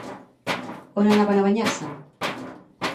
On anaven a banyar-se?